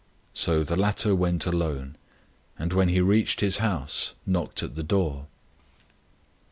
So the latter went alone, and when he reached his house, knocked at the door.